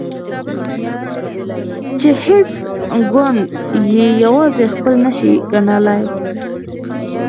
چې هیڅ ګوند یې یوازې خپل نشي ګڼلای.